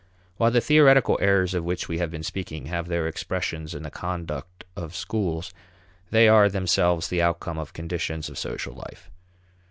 While the theoretical errors of which we have been speaking have their expressions in the conduct of schools, they are themselves the outcome of conditions of social life.